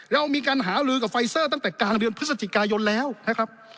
เรามีการหาลือกับไฟเซอร์ตั้งแต่กลางเดือนพฤศจิกายนแล้วนะครับ